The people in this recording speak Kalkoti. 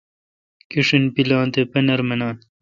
کݭین پلان تےپنر منان